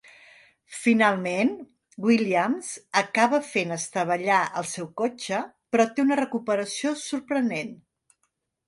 Finalment,, Williams acaba fent estavellar el seu cotxe, però té una recuperació sorprenent.